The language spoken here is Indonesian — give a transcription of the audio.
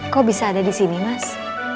kok bisa ada di sini mas